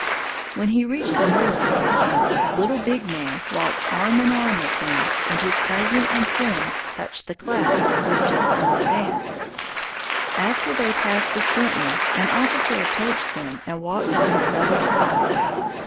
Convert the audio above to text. When he reached the military camp, Little Big Man walked arm in arm with him, and his cousin and friend, Touch the Cloud, was just in advance. After they passed the sentinel, an officer approached them and walked on his other side.